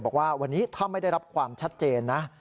บอกว่าวันนี้ถ้าไม่ได้รับความชัดเจนนะ